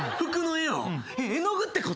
絵の具ってこと？